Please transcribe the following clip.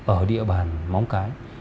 ở địa bàn móng cái